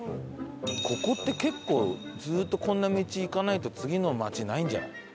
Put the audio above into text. ここって結構ずっとこんな道行かないと次の街ないんじゃない？